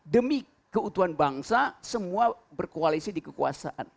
demi keutuhan bangsa semua berkoalisi di kekuasaan